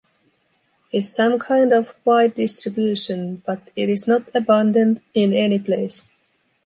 It’s some kind of wide distribution but it is not abundant in any place.